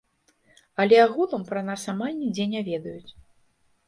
Але агулам пра нас амаль нідзе не ведаюць.